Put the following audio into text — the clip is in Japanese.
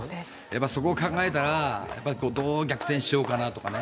そこを考えたらどう逆転しようかなとかね。